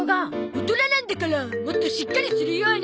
大人なんだからもっとしっかりするように！